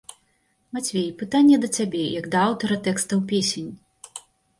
Мацвей, пытанне да цябе, як да аўтара тэкстаў песень.